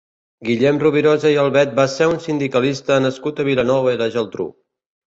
Guillem Rovirosa i Albet va ser un sindicalista nascut a Vilanova i la Geltrú.